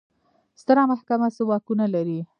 ستره محکمه څه واکونه لري؟